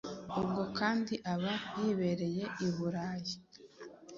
Ubwo kandi aba yibereye i Burayi.